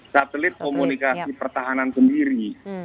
satelit komunikasi pertahanan sendiri